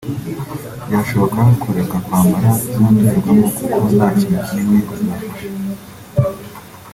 bashobora kureka kwambara za ndorerwamo kuko nta kintu kinini zibafasha